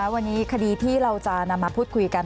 วันนี้คดีที่เราจะนำมาพูดคุยกัน